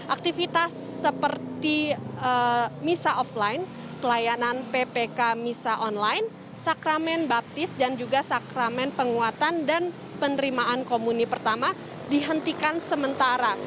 aktivitas seperti misa offline pelayanan ppk misa online sakramen baptis dan juga sakramen penguatan dan penerimaan komuni pertama dihentikan sementara